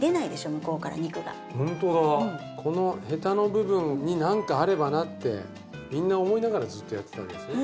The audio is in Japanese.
向こうから肉がホントだこのヘタの部分に何かあればなってみんな思いながらずっとやってたわけですね